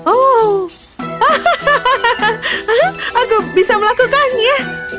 hahaha aku bisa melakukannya